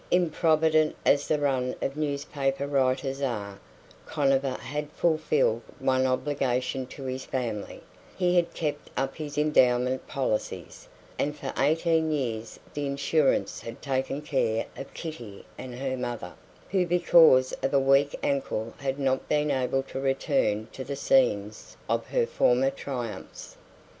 Improvident as the run of newspaper writers are, Conover had fulfilled one obligation to his family he had kept up his endowment policies; and for eighteen years the insurance had taken care of Kitty and her mother, who because of a weak ankle had not been able to return to the scenes of her former triumphs.